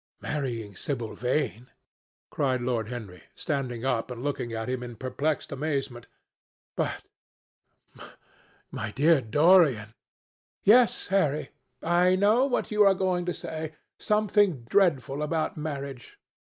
"Marrying Sibyl Vane!" cried Lord Henry, standing up and looking at him in perplexed amazement. "But, my dear Dorian—" "Yes, Harry, I know what you are going to say. Something dreadful about marriage.